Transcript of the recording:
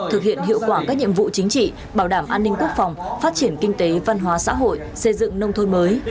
thực hiện hiệu quả các nhiệm vụ chính trị bảo đảm an ninh quốc phòng phát triển kinh tế văn hóa xã hội xây dựng nông thôn mới